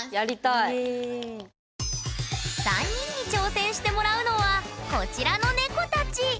３人に挑戦してもらうのはこちらの猫たち！